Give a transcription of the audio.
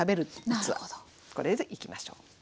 これでいきましょう。